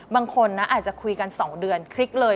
บางคนนะอาจจะคุยกัน๒เดือนคลิกเลย